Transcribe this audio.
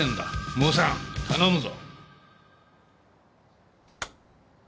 モーさん頼むぞ。